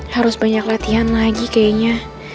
harus banyak latihan lagi kayaknya